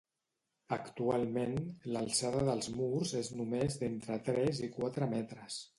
Actualment, l'alçada dels murs és només d'entre tres i quatre metres.